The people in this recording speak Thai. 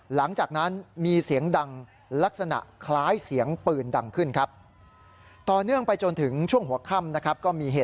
หลังจากนั้นมีเสียงดังลักษณะคล้ายเสียงปืนดังขึ้นครับ